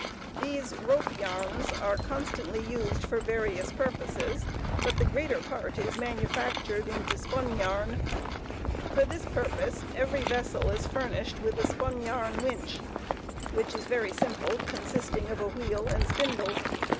These "rope yarns" are constantly used for various purposes, but the greater part is manufactured into spun yarn. For this purpose every vessel is furnished with a "spun yarn winch"; which is very simple, consisting of a wheel and spindle.